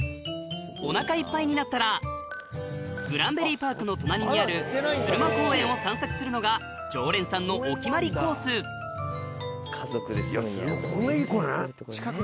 お腹いっぱいになったらグランベリーパークの隣にある鶴間公園を散策するのが常連さんのお決まりコースいやすごいこれ。